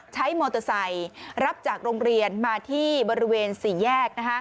ใช้มอเตอร์ไซค์รับจากโรงเรียนมาที่บริเวณ๔แยก